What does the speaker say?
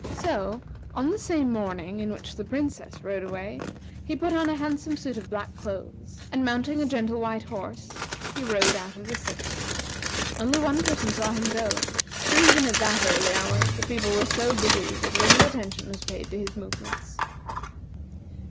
So, on the same morning in which the Princess rode away, he put on a handsome suit of black clothes, and mounting a gentle white horse, he rode out of the city. Only one person saw him go; for, even at that early hour, the people were so busy that little attention was paid to his movements.